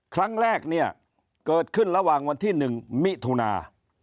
ครั้งแรกเนี่ยเกิดขึ้นระหว่างวันที่๑มิถุนา